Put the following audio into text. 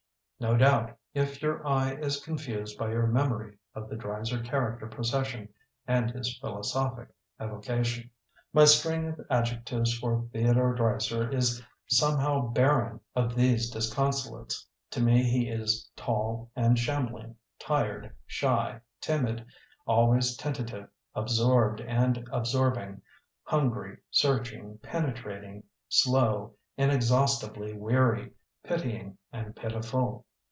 No doubt, if your eye is confused by your memory of the Dreiser character procession and his philosophic evocation. My string of adjectives for Theo dore Dreiser is somehow barren of these disconsolates. To me he is tall and shambling, tired, shy, timid, al ways tentative, absorbed and absorb ing, hungry, searching, penetrating, slow, inexhaustibly weary, pitying and pitiful.